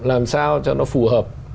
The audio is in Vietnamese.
làm sao cho nó phù hợp